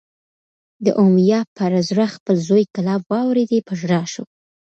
د امیة پر زړه خپل زوی کلاب واورېدی، په ژړا شو